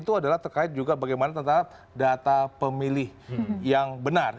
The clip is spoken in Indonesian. itu adalah terkait juga bagaimana tentang data pemilih yang benar